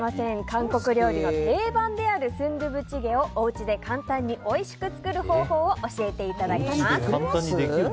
韓国料理の定番であるスンドゥブチゲをおうちで簡単においしく作る方法を教えていただきます。